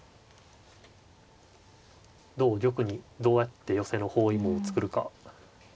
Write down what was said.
同玉にどうやって寄せの包囲網を作るか。